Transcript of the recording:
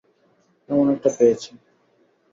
এমন একটা পেয়েছি।